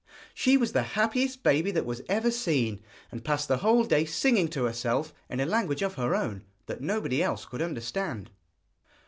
She was the happiest baby that ever was seen, and passed the whole day singing to herself, in a language of her own, that nobody else could understand.